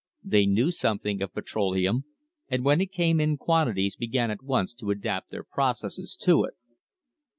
They knew something of petroleum, and when it came in quantities began at once to adapt their processes to it.